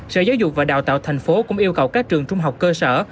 sở giáo dục và đào tạo thành phố cũng yêu cầu các trường trung học cơ sở